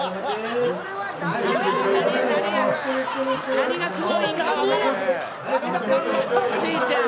何がすごいのか分からん。